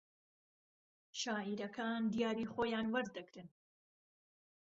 شاعیرەکان دیاریی خۆیان وەردەگرن